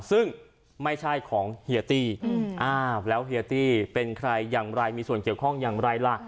ซึ่งไม่ใช่ของเฮียตี้อ้าวแล้วเฮียตี้เป็นใครอย่างไรมีส่วนเกี่ยวข้องอย่างไรล่ะ